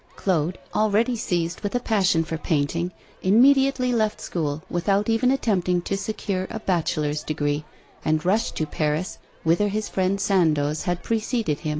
Claude, already seized with a passion for painting, immediately left school without even attempting to secure a bachelor's degree, and rushed to Paris whither his friend Sandoz had preceded him.